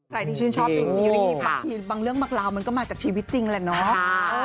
ใครที่ชอบดูซีรีส์บางเรื่องบักราวมันก็มาจากชีวิตจริงแหละเนอะ